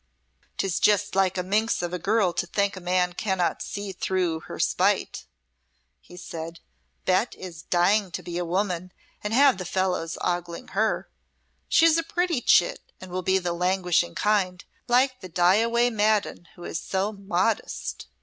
"'Tis just like a minx of a girl to think a man cannot see through her spite," he said. "Bet is dying to be a woman and have the fellows ogling her. She is a pretty chit and will be the languishing kind, like the die away Maddon who is so 'modist.'